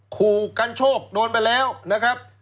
ขู่กันโชคโดนไปแล้วนะครับ